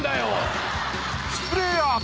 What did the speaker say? スプレーアート